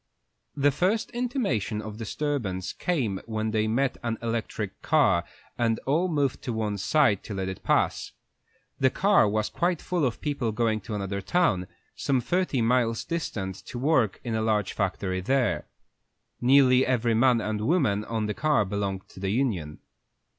The first intimation of disturbance came when they met an electric car, and all moved to one side to let it pass. The car was quite full of people going to another town, some thirty miles distant, to work in a large factory there. Nearly every man and woman on the car belonged to the union.